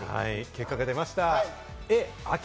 結果が出ました。